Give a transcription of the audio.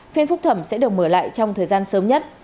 phiên phúc thẩm sẽ được mở lại trong thời gian sớm nhất